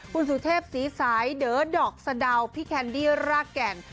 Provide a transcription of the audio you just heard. คุณสุเทพศรีสายเดอดอกสะดาวพี่แคนดี้รากแก่น